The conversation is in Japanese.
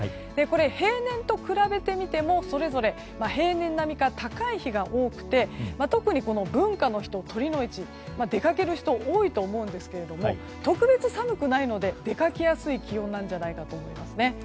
平年と比べてみても、それぞれ平年並みか高い日が多くて特に文化の日と酉の市出かける人が多いと思うんですが特別寒くないので出かけやすい気温じゃないかと思います。